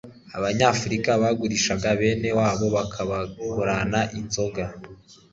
Abanyafurika bagurishaga bene wabo bakabagurana inzoga,